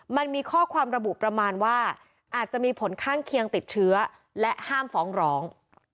มันมีข้อความระบุประมาณว่าอาจจะมีผลข้างเคียงติดเชื้อและห้ามฟ้องร้อง